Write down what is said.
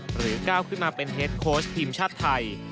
ก้าวขึ้นมาเป็นเฮดโค้ชทีมชาติไทย